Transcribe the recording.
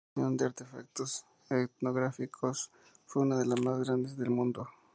Su colección de artefactos etnográficos fue una de las más grandes del mundo.